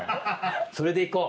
それで行こう。